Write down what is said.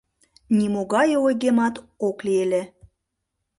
Нимогае ойгемат ок лий ыле.